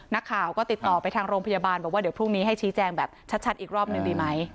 นักข่าวก็ติดต่อไปทางโรงพยาบาลบอกว่าเดี๋ยวพรุ่งนี้ให้ชี้แจงแบบชัดอีกรอบหนึ่งดีไหม